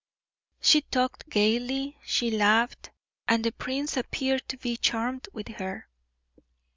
She talked gayly, she laughed, and the prince appeared to be charmed with her.